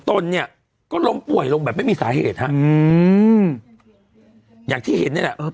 ตนเนี่ยก็ล้มป่วยลงแบบไม่มีสาเหตุฮะอืมอย่างที่เห็นนี่แหละเออ